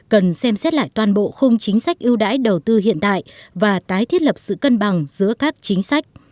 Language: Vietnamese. cần xem xét lại toàn bộ khung chính sách ưu đãi đầu tư hiện tại và tái thiết lập sự cân bằng giữa các chính sách